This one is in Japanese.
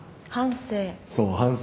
そう反省。